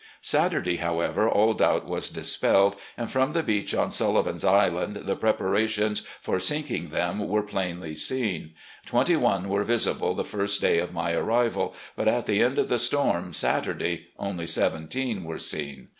Saturday, however, all doubt was dispelled, and from the beach on Sullivan's Island the preparations for sinking them were plainly seen. Twenty one were visible the first day of my arrival, but at the end of the storm, Saturday, only seventeen were seen.